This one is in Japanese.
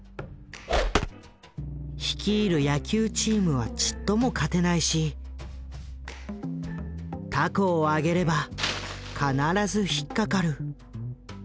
率いる野球チームはちっとも勝てないし凧を揚げれば必ず引っ掛かる。